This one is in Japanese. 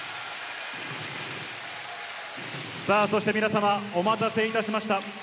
そして皆様、お待たせいたしました。